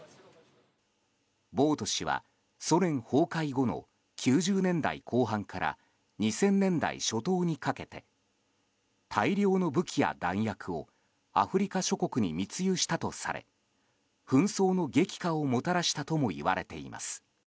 ボウト氏はソ連崩壊後の９０年代後半から２０００年代初頭にかけて大量の武器や弾薬をアフリカ諸国に密輸したとされ紛争の激化をもたらしたともいわれています。